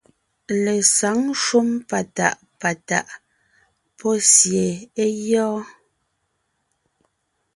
Lesǎŋ shúm patàʼ patàʼ pɔ́ sie é gyɔ́ɔn.